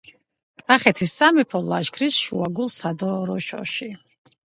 კახეთის სამეფო ლაშქრის შუაგულ სადროშოში.